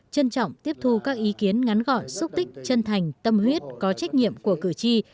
trân trọng tiếp thu các ý kiến ngắn gọi xúc tích chân thành tâm huyết có trách nhiệm của cử tri